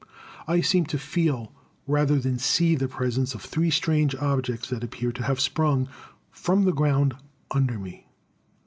I seemed to feel, rather than see, the presence of three strange objects that appeared to have sprung from the ground under me.